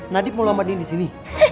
nadif mau mandiin disini